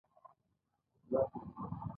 دا سیند دی